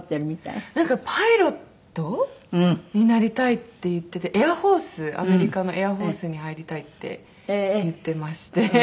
なんかパイロットになりたいって言っててエアフォースアメリカのエアフォースに入りたいって言ってまして。